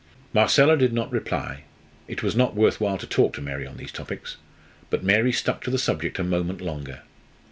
Marcella did not reply. It was not worth while to talk to Mary on these topics. But Mary stuck to the subject a moment longer.